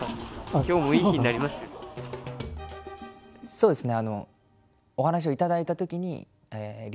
そうですね